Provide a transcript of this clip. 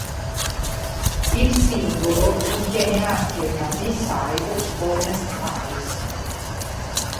Il singolo contiene anche una b-side, "Honest Eyes".